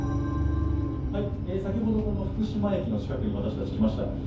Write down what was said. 先ほど福島駅の近くに私たち、来ました。